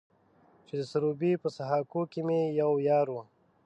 چې د سروبي په سهاکو کې مې يو يار و.